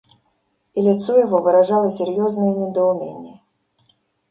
И лицо его выражало серьезное недоумение.